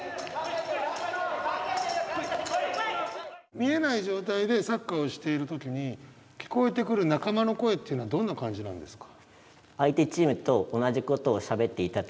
見えない状態でサッカーをしている時に聞こえてくる仲間の声っていうのはどんな感じなんですか？